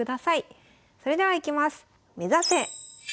それではいきます！